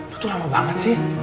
lu tuh lama banget sih